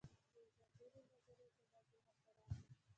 یوه ځانګړې نظریه زما ذهن ته راغله